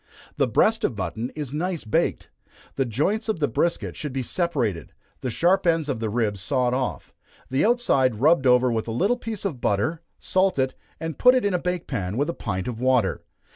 The breast of mutton is nice baked. The joints of the brisket should be separated, the sharp ends of the ribs sawed off, the outside rubbed over with a little piece of butter salt it, and put it in a bake pan, with a pint of water.